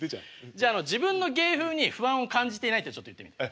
じゃあ「自分の芸風に不安を感じていない」ってちょっと言ってみて。